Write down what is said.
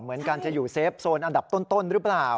เหมือนกันจะอยู่เซฟโซนอันดับต้นหรือเปล่า